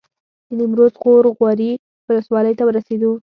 د نیمروز غور غوري ولسوالۍ ته ورسېدو.